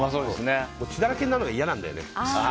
血だらけになるのが嫌なんだよね。